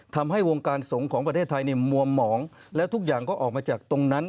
ทำให้วงการสงฆ์ของประเทศไทยเนี่ยมัวหมองและทุกอย่างก็ออกมาจากตรงนั้น